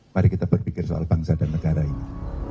mari kita berpikir soal bangsa dan negara ini